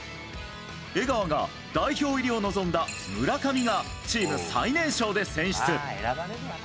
江川が代表入りを望んだ村上がチーム最年少で選出。